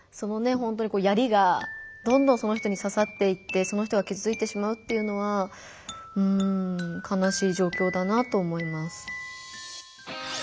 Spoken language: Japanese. ほんとに槍がどんどんその人にささっていってその人がきずついてしまうっていうのはかなしい状況だなと思います。